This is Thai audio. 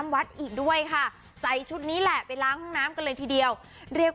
วัดอีกด้วยค่ะใส่ชุดนี้แหละไปล้างห้องน้ำกันเลยทีเดียวเรียก